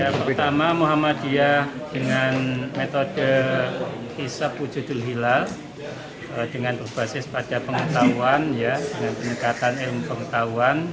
pertama muhammadiyah dengan metode kisah pujudul hilal dengan berbasis pada pengetahuan dengan peningkatan ilmu pengetahuan